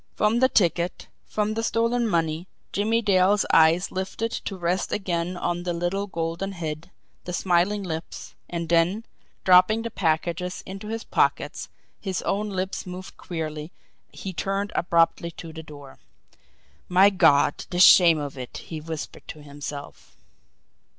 From the ticket, from the stolen money, Jimmie Dale's eyes lifted to rest again on the little golden head, the smiling lips and then, dropping the packages into his pockets, his own lips moving queerly, he turned abruptly to the door. "My God, the shame of it!" he whispered to himself.